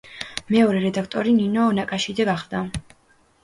მეორე რედაქტორი ნინო ნაკაშიძე გახდა.